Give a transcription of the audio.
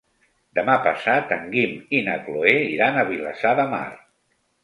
Demà passat en Guim i na Cloè iran a Vilassar de Mar.